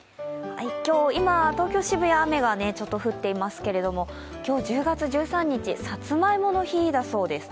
今日、今、東京・渋谷ちょっと雨が降っていますが今日、１０月１３日、さつまいもの日だそうです。